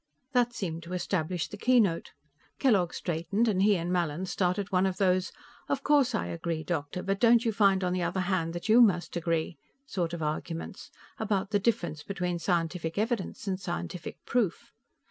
That seemed to establish the keynote. Kellogg straightened, and he and Mallin started one of those "of course I agree, doctor, but don't you find, on the other hand, that you must agree" sort of arguments, about the difference between scientific evidence and scientific proof.